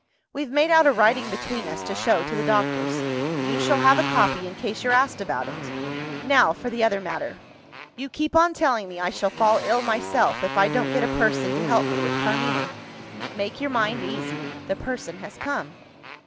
We've made out a writing between us, to show to the doctors. You shall have a copy, in case you're asked about it. Now for the other matter. You keep on telling me I shall fall ill myself, if I don't get a person to help me with Carmina. Make your mind easy the person has come."